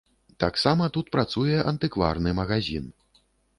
Таксама тут працуе антыкварны магазін.